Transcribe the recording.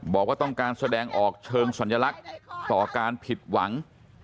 บอกว่าต้องการแสดงออกเชิงสัญลักษณ์ต่อการผิดหวัง